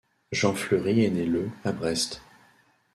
Jean Fleury est né le à Brest.